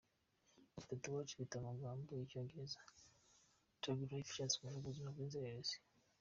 Iyo tatouage ifite amagamo y’icyongereza "Thug Life" ashatse kuvuga ubuzima bw’inzererezi.